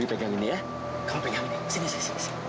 dewi pegang ini ya kamu pegang ini sini sini sini